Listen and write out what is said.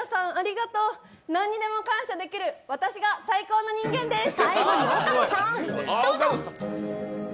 何にでも感謝できる私が最高の人間です。